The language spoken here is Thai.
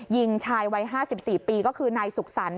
ยิงชายวัย๕๔ปีก็คือนายสุขสรรค